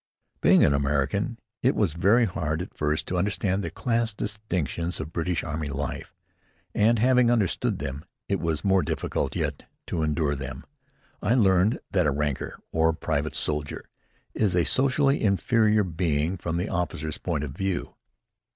Being an American, it was very hard, at first, to understand the class distinctions of British army life. And having understood them, it was more difficult yet to endure them. I learned that a ranker, or private soldier, is a socially inferior being from the officer's point of view.